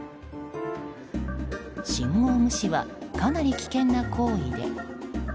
信号無視はかなり危険な行為で。